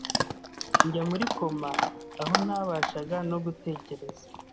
njya muri koma aho ntabashaga no gutekereza,